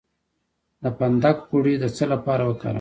د فندق غوړي د څه لپاره وکاروم؟